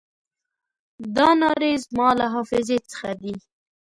دا نارې زما له حافظې څخه دي.